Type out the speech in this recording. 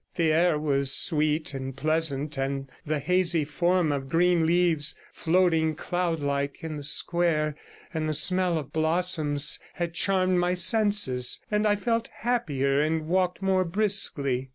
The air was sweet and pleasant, and the hazy form of green leaves, floating cloud like in the square, and the smell of blossoms, had charmed my senses, and I felt happier and walked more briskly.